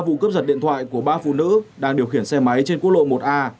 vụ cướp giật điện thoại của ba phụ nữ đang điều khiển xe máy trên quốc lộ một a